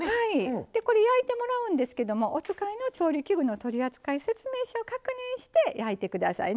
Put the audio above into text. でこれ焼いてもらうんですけどもお使いの調理器具の取扱説明書を確認して焼いてくださいね。